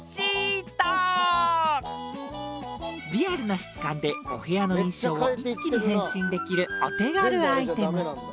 リアルな質感でお部屋の印象を一気に変身できるお手軽アイテム。